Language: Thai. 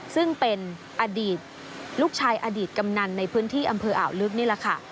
ซึ่งเป็นอดีตลูกชายอดีตกำนันในพื้นที่อำเภออ่าวลึกนี่แหละค่ะ